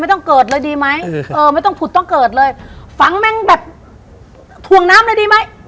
ต้องเกิดเลยดีไหมเออไม่ต้องผุดต้องเกิดเลยฝังแม่งแบบถ่วงน้ำเลยดีไหม